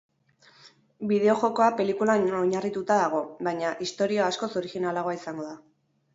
Bideo-jokoa pelikulan oinarrituta dago, baina, istorioa askoz orijinalagoa izango da.